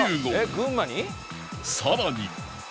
さらに